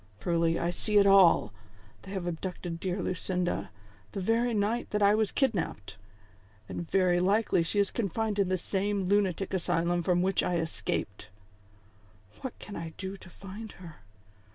Truly, I see it all. They have abducted dear Lucinda the very night that I was kidnap ped, and very likely she is confined in the same lunatic asylum from which I escaped. " What can I do to find her